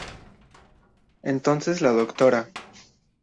Entonces la Dra.